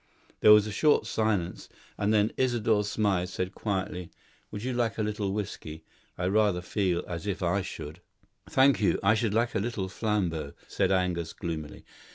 There was a short silence, and then Isidore Smythe said quietly, "Would you like a little whiskey? I rather feel as if I should." "Thank you; I should like a little Flambeau," said Angus, gloomily.